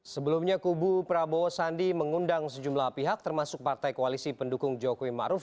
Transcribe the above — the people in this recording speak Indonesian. sebelumnya kubu prabowo sandi mengundang sejumlah pihak termasuk partai koalisi pendukung jokowi maruf